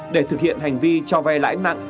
để thực hiện hành vi cho vay lãi nặng